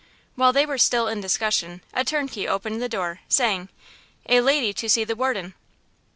While they were still in discussion, a turnkey opened the door, saying: "A lady to see the warden."